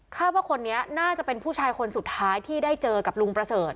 ว่าคนนี้น่าจะเป็นผู้ชายคนสุดท้ายที่ได้เจอกับลุงประเสริฐ